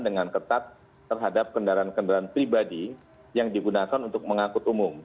dengan ketat terhadap kendaraan kendaraan pribadi yang digunakan untuk mengangkut umum